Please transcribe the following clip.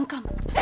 え！？